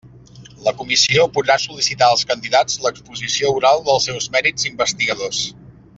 La Comissió podrà sol·licitar als candidats l'exposició oral dels seus mèrits investigadors.